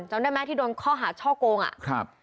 จำได้ไหมที่โดนข้อหาช่อโกงอ่ะครับ